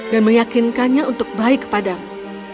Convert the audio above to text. dan meyakinkannya untuk baik kepadamu